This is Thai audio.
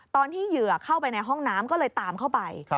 เหยื่อเข้าไปในห้องน้ำก็เลยตามเข้าไป